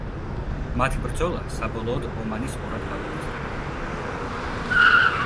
მათი ბრძოლა საბოლოოდ ომანის ორად გაყოფით დაგვირგვინდა.